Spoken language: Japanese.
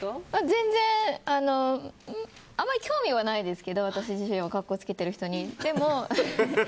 全然あまり興味はないですけど私自身は格好つけてる人に。